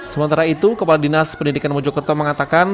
sementara itu kepala dinas pendidikan mojokerto mengatakan